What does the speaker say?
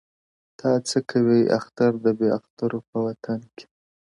• تا څه کوئ اختر د بې اخترو په وطن کي ـ